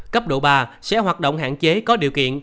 cấp độ ba sẽ hoạt động hạn chế có điều kiện